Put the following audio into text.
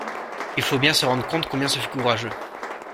Il faut bien se rendre compte combien ce fut courageux.